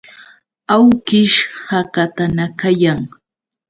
Awkish hakatanakayan.